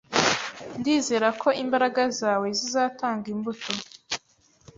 Ndizera ko imbaraga zawe zizatanga imbuto